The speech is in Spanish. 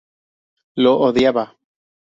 Lo odiaba.